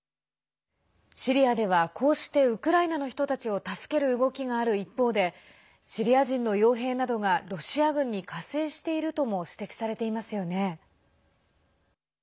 シリアではこうしてウクライナの人たちを助ける動きがある一方でシリア人のよう兵などがロシア軍に加勢しているとも指摘されていますよね。